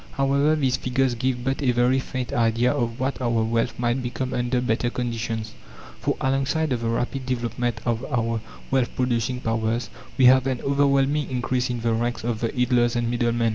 However, these figures give but a very faint idea of what our wealth might become under better conditions. For alongside of the rapid development of our wealth producing powers we have an overwhelming increase in the ranks of the idlers and middlemen.